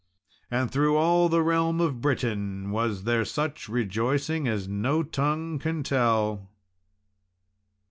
And through all the realm of Britain was there such rejoicing as no tongue can tell.